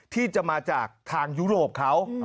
ที่จะมาจากทางยุโรปเขา